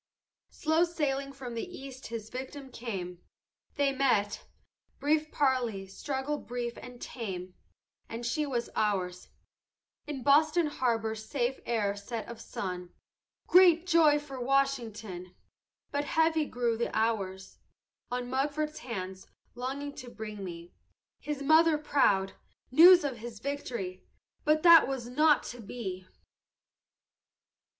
"Slow sailing from the east his victim came. They met; brief parley; struggle brief and tame, And she was ours; In Boston harbor safe ere set of sun, Great joy for Washington! But heavy grew the hours On Mugford's hands, longing to bring to me, His mother proud, news of his victory; But that was not to be!